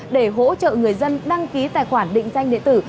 để hỗ trợ người dân đăng ký tài khoản định danh điện tử